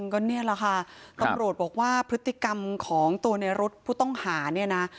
ก็เนี่ยแหละค่ะตำรวจบอกว่าพฤติกรรมของตัวในรถผู้ต้องหาเนี่ยนะ